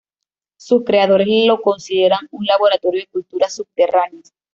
Sus creadores lo consideran un "Laboratorio de Culturas Subterráneas".